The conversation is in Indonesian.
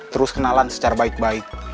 terus kenalan secara baik baik